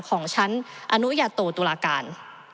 ของชั้นอนุญาโตตุลาการ